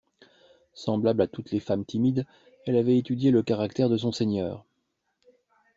Semblable à toutes les femmes timides, elle avait étudié le caractère de son seigneur.